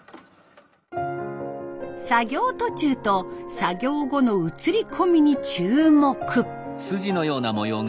作業途中と作業後の映り込みに注目。